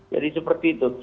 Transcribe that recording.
jadi seperti itu